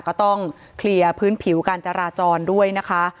ก็ต้องเคลียร์พื้นผิวการจราจรด้วยนะคะ